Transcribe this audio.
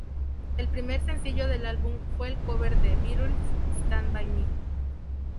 El primer sencillo del álbum fue el cover de The Beatles, "Stand by Me".